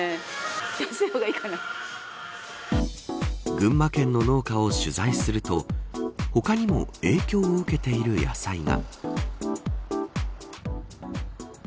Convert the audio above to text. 群馬県の農家を取材すると他にも影響を受けている野菜が。